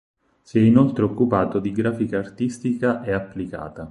Si è inoltre occupato di grafica artistica e applicata.